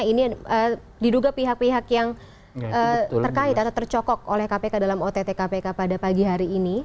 ini diduga pihak pihak yang terkait atau tercokok oleh kpk dalam ott kpk pada pagi hari ini